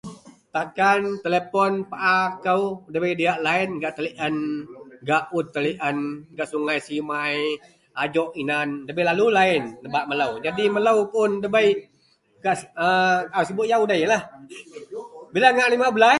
takan telepon paa kou wak dabei laen gak tellien, gak ud tellien, gak Sungai simai ajok inan, debei lalu laen nebak melopu, jadi melou pun dabei, ke a kaau sibuk yau udei ien lah, bila ngak lima belaih